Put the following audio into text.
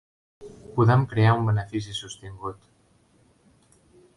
Podem crear un benefici sostingut.